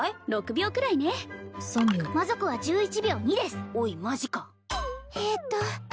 ６秒くらいね３秒魔族は１１秒２ですおいマジかえっと